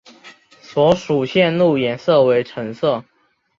所属的线路颜色为橙色。